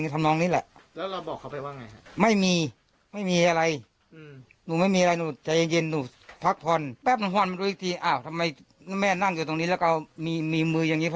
ก็จำได้ว่าบริบุรุษพระมนตราตำรวจนั่งภรรยาคือบารุก